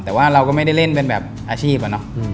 แต่ว่าเราก็ไม่ได้เล่นเป็นแบบอาชีพอะเนาะ